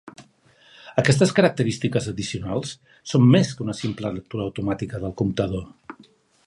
Aquestes característiques addicionals són més que una simple lectura automàtica del comptador.